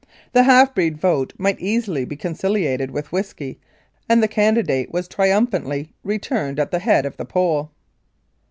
The half breed vote might easily be conciliated with whisky, and the candidate was triumphantly returned at the head of the poll.